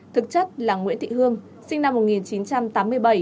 thực chất là nguyễn thị hương sinh năm một nghìn chín trăm tám mươi bảy